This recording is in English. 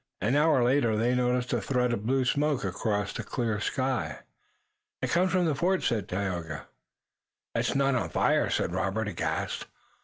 An hour later they noticed a thread of blue smoke across the clear sky. "It comes from the fort," said Tayoga. "It's not on fire?" said Robert, aghast.